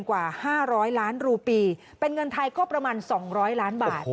กว่า๕๐๐ล้านรูปีเป็นเงินไทยก็ประมาณ๒๐๐ล้านบาท